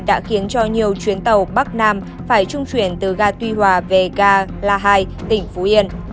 đã khiến cho nhiều chuyến tàu bắc nam phải trung chuyển từ ga tuy hòa về ga la hai tỉnh phú yên